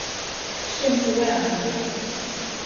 县治威尔明顿。